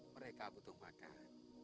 mereka butuh makan